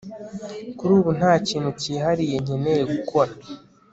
kuri ubu nta kintu cyihariye nkeneye gukora